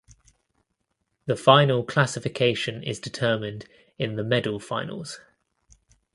The final classification is determined in the medal finals.